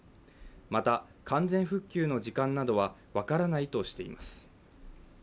また、完全復旧の時間などは分からないとしています。